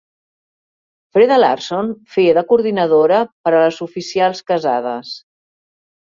Freda Larsson feia de coordinadora per a les oficials casades.